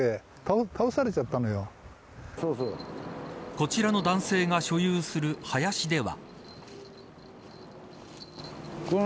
こちらの男性が所有する林では。